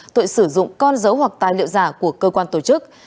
tội sử dụng con dấu hoặc tài liệu giả của cơ quan tổ chức